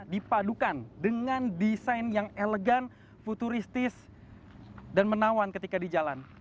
dipadukan dengan desain yang elegan futuristis dan menawan ketika di jalan